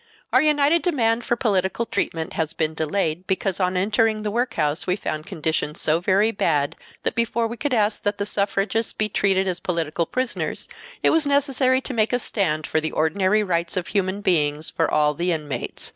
Our united demand for political treatment has been delayed, because on entering the workhouse we found conditions so very bad that before we could ask that the suffragists be treated as political prisoners, it was necessary to make a stand for the ordinary rights of human beings for all the inmates.